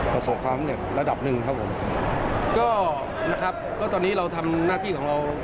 ประสบความสำเร็จระดับหนึ่งครับผมก็นะครับก็ตอนนี้เราทำหน้าที่ของเรา